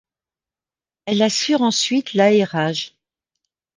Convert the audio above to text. Elle assure ensuite l'aérage.